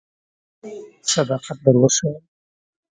صداقت در وښیم.